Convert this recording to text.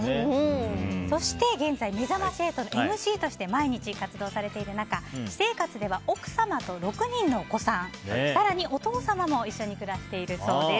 そして現在「めざまし８」のＭＣとして毎日活躍されている中私生活では奥様と６人のお子さん更にお父様も一緒に暮らしているそうです。